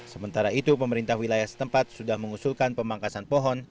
sementara itu pemerintah wilayah setempat sudah mengusulkan pemangkasan pohon